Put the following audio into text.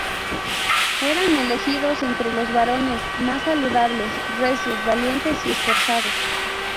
Eran elegidos entre los varones más saludables, recios, valientes y esforzados.